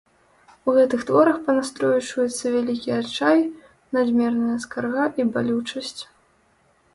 У гэтых творах па настрою чуецца вялікі адчай, надмерная скарга і балючасць.